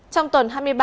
trong tuần hai mươi ba